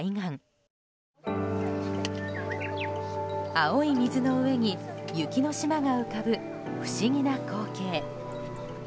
青い水の上に雪の島が浮かぶ不思議な光景。